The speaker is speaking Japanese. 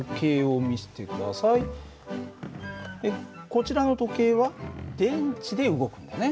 こちらの時計は電池で動くんだね。